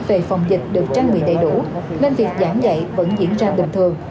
về phòng dịch được trang bị đầy đủ nên việc giảng dạy vẫn diễn ra bình thường